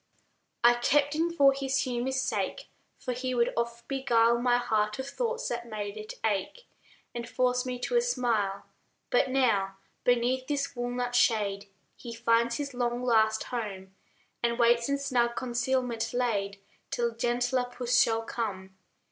I kept him for his humor's sake, For he would oft beguile My heart of thoughts that made it ache, And force me to a smile. But now, beneath this walnut shade He finds his long, last home, And waits, in snug concealment laid, Till gentler Puss shall come.